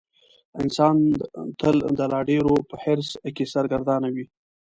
انسان تل د لا ډېرو په حرص کې سرګردانه وي.